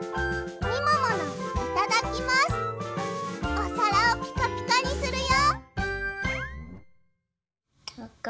おさらをピカピカにするよ！